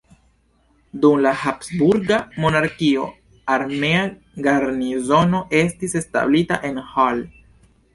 Dum la Habsburga monarkio armea garnizono estis establita en Hall.